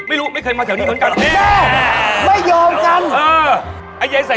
ไม่เคยมาแถวนี้เกิดกับ